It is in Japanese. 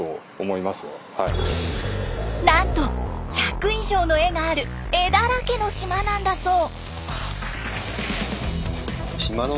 なんと１００以上の絵がある絵だらけの島なんだそう。